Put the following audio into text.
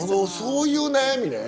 そういう悩みね。